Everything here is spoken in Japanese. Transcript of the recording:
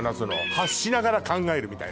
発しながら考えるみたいな。